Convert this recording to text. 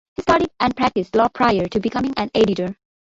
He studied and practised law prior to becoming an editor.